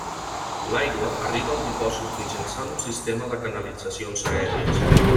L'aigua arriba al dipòsit mitjançant un sistema de canalitzacions aèries.